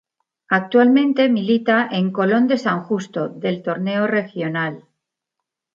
Actualmente milita en Colón de San Justo del Torneo Regional.